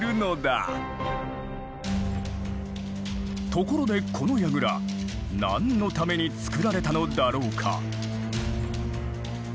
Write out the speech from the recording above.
ところでこの櫓何のために造られたのだろうか？